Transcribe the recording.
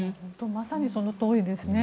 まさにそのとおりですね。